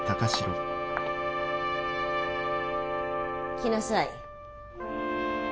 来なさい。